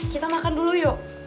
kita makan dulu yuk